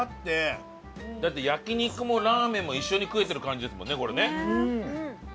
だって焼肉もラーメンも一緒に食えてる感じですもんねこれね。